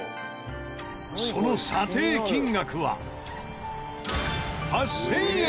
その査定金額は８０００円。